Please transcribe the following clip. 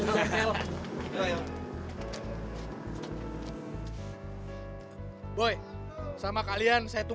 sepir gue maksudnya udah dateng